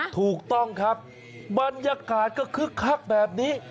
ถูกต้องครับบรรยากาศก็คึกคักแบบนี้